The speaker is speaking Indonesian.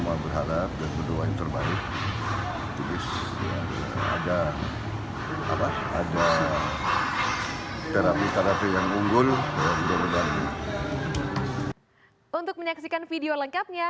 apa ada terapi terapi yang unggul